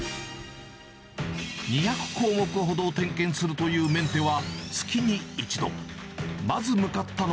２００項目ほどを点検するというメンテナンスは月に１度。